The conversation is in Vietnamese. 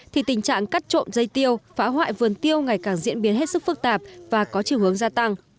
thì tình trạng cắt trộm dây tiêu phá hoại vườn tiêu ngày càng diễn biến hết sức phức tạp và có chiều hướng gia tăng